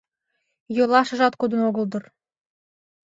Йолашыжат кодын огыл дыр...